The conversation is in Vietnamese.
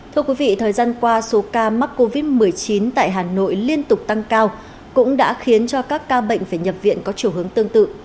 thưa quý vị thời gian qua số ca mắc covid một mươi chín tại hà nội liên tục tăng cao cũng đã khiến cho các ca bệnh phải nhập viện có chiều hướng tương tự